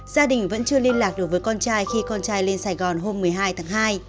gia đình vẫn chưa liên lạc được với con trai khi con trai lên sài gòn hôm một mươi hai tháng hai